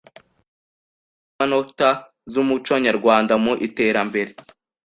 Indangamanota z’Umuco Nyarwanda mu Iterambere”